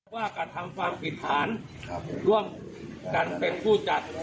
ว่ากระทำความผิดฐานร่วมกันเป็นผู้จัด